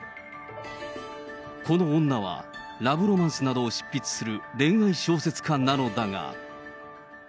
この女は、ラブロマンスなどを執筆する恋愛小説家なのだが。